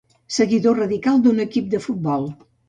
Seguidor radical d'un equip de futbol.